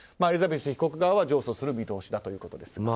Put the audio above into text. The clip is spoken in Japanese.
エリザベス被告側は上訴する見通しだということです。